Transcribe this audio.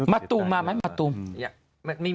มาตุ่มไหมมาตุ่ม